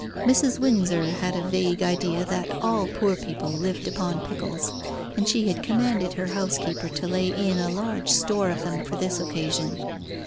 Mrs. Windsor had a vague idea that all poor people lived upon pickles, and she had commanded her housekeeper to lay in a large store of them for this occasion.